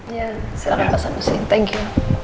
iya silahkan pak sanusi thank you